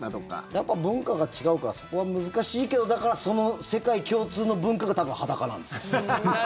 やっぱ文化が違うからそこは難しいけどだから、その世界共通の文化が多分、裸なんですよ。